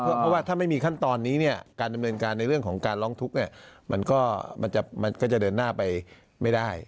เพราะว่าถ้าไม่มีขั้นตอนนี้เนี่ยการดำเนินการในเรื่องของการร้องทุกข์มันก็จะเดินหน้าไปไม่ได้